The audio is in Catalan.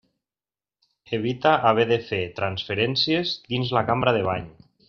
Evita haver de fer transferències dins la cambra de bany.